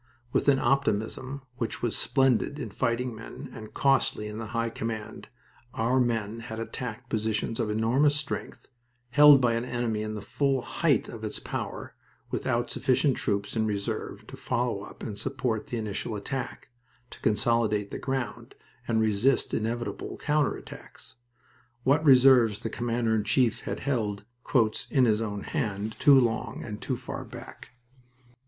With an optimism which was splendid in fighting men and costly in the High Command, our men had attacked positions of enormous strength held by an enemy in the full height of his power without sufficient troops in reserve to follow up and support the initial attack, to consolidate the ground, and resist inevitable counter attacks. What reserves the Commander in Chief had he held "in his own hand" too long and too far back.